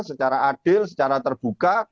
secara adil secara terbuka